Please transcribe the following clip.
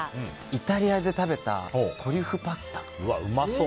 イタリアで食べたトリュフパスタ。